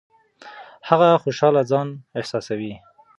هغه خوشاله ځان احساساوه.